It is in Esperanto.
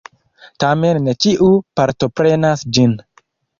Tamen ne ĉiu partoprenas ĝin.